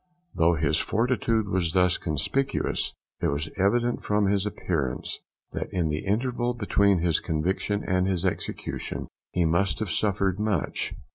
Though his fortitude was thus conspicuous, it was evident from his appearance that in the interval between his conviction and his execution he must have suffered much.